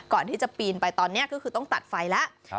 ก่อนที่จะปีนไปตอนนี้ก็คือต้องตัดไฟแล้ว